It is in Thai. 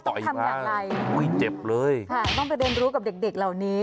ต้องเข้าเรื่องรู้กับเด็กเหล่านี้